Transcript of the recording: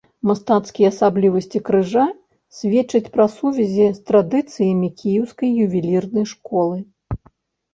Мастацкія асаблівасці крыжа сведчаць пра сувязі з традыцыямі кіеўскай ювелірнай школы.